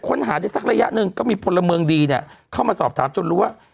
ค้นหาได้สักระยะหนึ่งก็มีพลเมืองดีเนี่ยเข้ามาสอบถามจนรู้ว่า